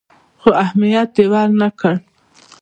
خو اهميت دې ورنه کړ.